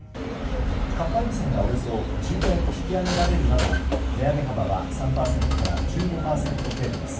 かっぱえびせんがおよそ１０円引き上げられるなど値上げ幅は３％から１５％程度です。